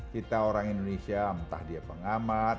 kita orang indonesia entah dia pengamat